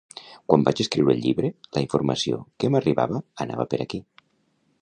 Quan vaig escriure el llibre, la informació que m’arribava anava per aquí.